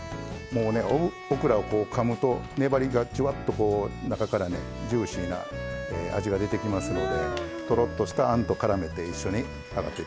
もうねオクラをかむと粘りがじゅわっとこう中からねジューシーな味が出てきますのでとろっとしたあんとからめて一緒に食べてみてください。